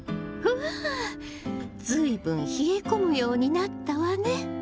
うわ随分冷え込むようになったわね。